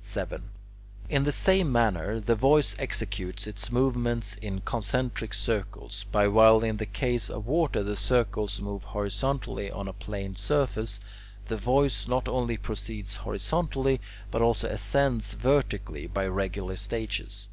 7. In the same manner the voice executes its movements in concentric circles; but while in the case of water the circles move horizontally on a plane surface, the voice not only proceeds horizontally, but also ascends vertically by regular stages.